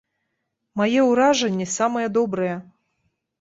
Мае ўражанні самыя добрыя.